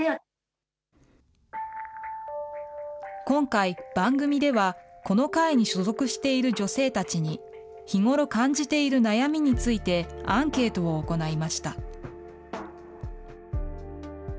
今回、番組では、この会に所属している女性たちに、日頃、感じている悩みについて、アンケートを行いました。